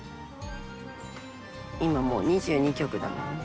今もう、２２局だもんね。